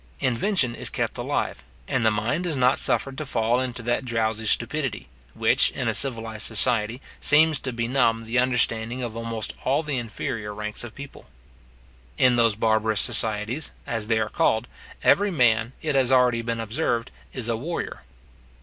Invention is kept alive, and the mind is not suffered to fall into that drowsy stupidity, which, in a civilized society, seems to benumb the understanding of almost all the inferior ranks of people. In those barbarous societies, as they are called, every man, it has already been observed, is a warrior.